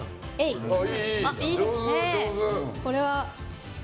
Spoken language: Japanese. いいですね。